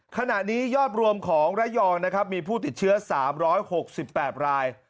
ขณะนี้ยอดรวมของระยองนะครับมีผู้ติดเชื้อ๓๖๘ราย